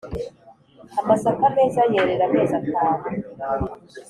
.Amasaka meza yerera amezi atanu.